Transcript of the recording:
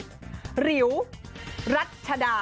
หลิวรัชดา